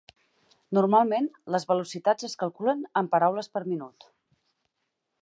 Normalment, les velocitats es calculen en paraules per minut.